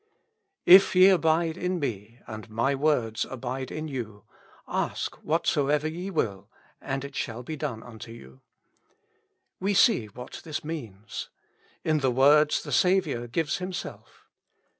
" If ye abide in me, and my words abide in you^ ask whatsover ye will, it shall be done unto you." We see what this means. In the words the Saviour gives Himself.